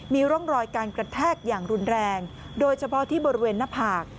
มีร่องรอยการกระแทกอย่างรุนแรงโดยเฉพาะที่บริเวณหน้าผาก